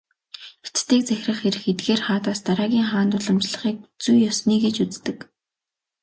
Хятадыг захирах эрх эдгээр хаадаас дараагийн хаанд уламжлахыг "зүй ёсны" гэж үздэг.